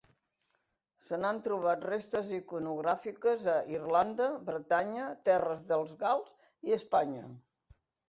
Se n'han trobat restes iconogràfiques a Irlanda, Bretanya, terres dels gals i Espanya.